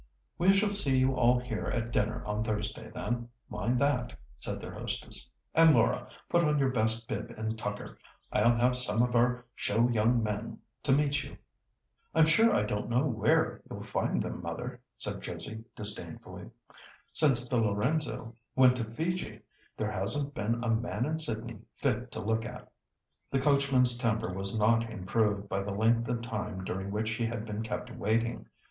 "We shall see you all here at dinner on Thursday, then, mind that!" said their hostess. "And, Laura, put on your best bib and tucker. I'll have some of our show young men to meet you." "I'm sure I don't know where you'll find them, mother," said Josie, disdainfully. "Since the Lorenzo went to Fiji, there hasn't been a man in Sydney fit to look at." The coachman's temper was not improved by the length of time during which he had been kept waiting.